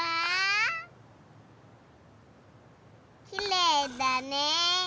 きれいだね。